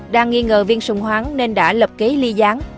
đang nghi ngờ viên sùng hoáng nên đã lập kế ly gián